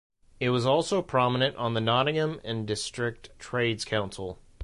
It was also prominent on the Nottingham and District Trades Council.